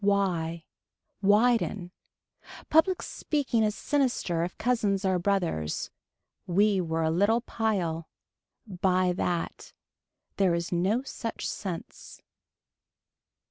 Why. Widen. Public speaking is sinister if cousins are brothers. We were a little pile. Buy that. There is no such sense.